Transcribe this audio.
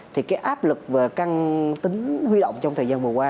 thì áp lực và căng tính khuy động trong thời gian vừa qua